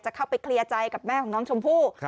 เข้าไปเคลียร์ใจกับแม่ของน้องชมพู่